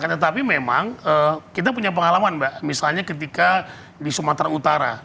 tetapi memang kita punya pengalaman mbak misalnya ketika di sumatera utara